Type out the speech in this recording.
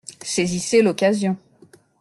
Saisissez l’occasion.